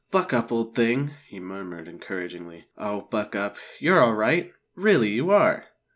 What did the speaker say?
"Buck up, old thing!" he murmured encouragingly. "Oh, buck up! You're all right, really you are!"